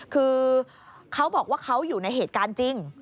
คือเขาบอกว่าเขาอยู่ในเหตุการณ์จริง